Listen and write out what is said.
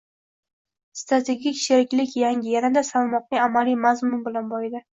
Strategik sheriklik yangi, yanada salmoqli amaliy mazmun bilan boyidi